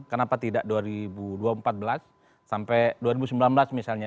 kenapa tidak dua ribu empat belas sampai dua ribu sembilan belas misalnya